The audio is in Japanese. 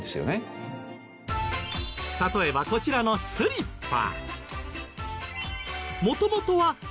例えばこちらのスリッパ。